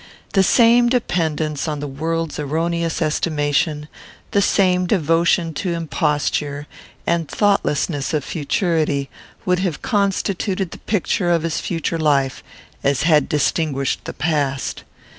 The same dependence on the world's erroneous estimation, the same devotion to imposture, and thoughtlessness of futurity, would have constituted the picture of his future life, as had distinguished the past.